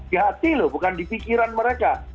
di hati loh bukan di pikiran mereka